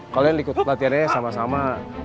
kalian ikut latihannya sama sama